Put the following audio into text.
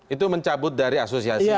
itu mencabut dari asosiasi